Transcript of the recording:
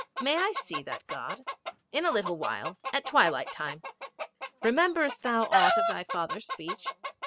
'May I see that God?' 'In a little while at twilight time.' 'Rememberest thou aught of thy father's speech?'